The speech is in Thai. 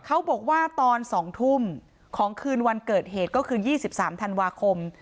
เขาบอกว่าตอนสองทุ่มของคืนวันเกิดเหตุก็คือยี่สิบสามธันวาคม